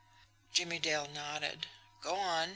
Jimmie Dale nodded. "Go on!"